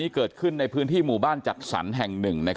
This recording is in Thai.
เกิดขึ้นในพื้นที่หมู่บ้านจัดสรรแห่งหนึ่ง